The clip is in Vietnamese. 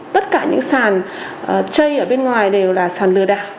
tất cả những sàn chây ở bên ngoài đều là sàn lừa đạc